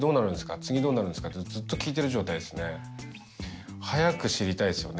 「次どうなるんですか」ってずっと聞いてる状態ですね早く知りたいですよね